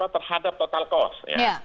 terhadap total cost ya